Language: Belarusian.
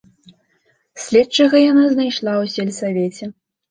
Следчага яна знайшла ў сельсавеце.